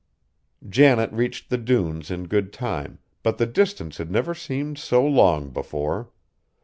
Janet reached the dunes in good time, but the distance had never seemed so long before.